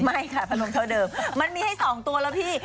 ไม่ค่ะพนมเท่าเดิมมันมีให้๒ตัวแล้วพี่